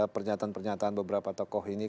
pernyataan pernyataan beberapa tokoh ini